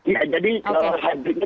ya jadi kalau hybridnya